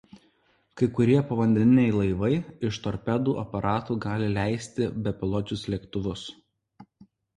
Kai kurie povandeniniai laivai iš torpedų aparatų gali leisti bepiločius lėktuvus.